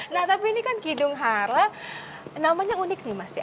nah tapi ini kan kidung hara namanya unik nih mas ya